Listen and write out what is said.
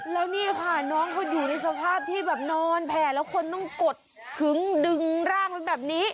แล้วนี่ค่ะน้องเขาอยู่ในสภาพที่แบบนอนแผ่แล้วคนต้องกดขึ้งดึงร่างไว้แบบนี้